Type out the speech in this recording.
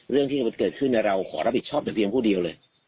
เรื่องที่มันเกิดขึ้นเราขอรับผิดชอบแต่เพียงผู้เดียวเลย